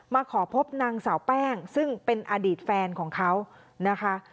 มาขอพบนางสาวแป้งซึ่งเป็นอดีตแฟนของเขานะคะ